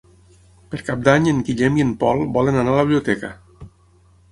Per Cap d'Any en Guillem i en Pol volen anar a la biblioteca.